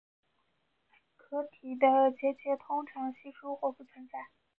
壳体的结节通常稀疏或不存在。